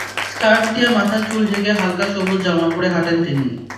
Scarf দিয়ে মাথায় চুল ঢেকে হালকা সবুজ জামা পরে হাঁটেন তিনি।